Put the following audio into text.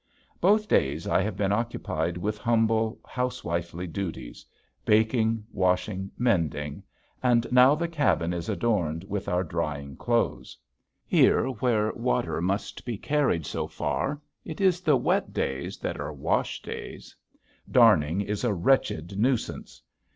Both days I have been occupied with humble, housewifely duties, baking, washing, mending, and now the cabin is adorned with our drying clothes. Here where water must be carried so far it is the wet days that are wash days. Darning is a wretched nuisance.